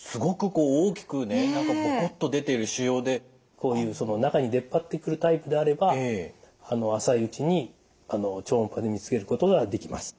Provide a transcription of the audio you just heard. こういう中に出っ張ってくるタイプであれば浅いうちに超音波で見つけることができます。